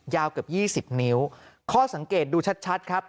ยาวเกือบ๒๐นิ้วข้อสังเกตดูชัดชัดครับ